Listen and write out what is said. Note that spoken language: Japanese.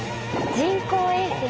人工衛星。